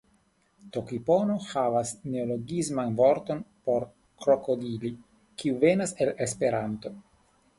Tokipono havas neologisman vorton por krokodili, kiu venas el Esperanto.